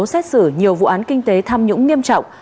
xét xử nhiều vụ án kinh tế tham nhũng nghiêm trọng